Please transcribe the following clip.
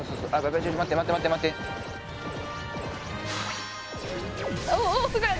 待って待って待ってああ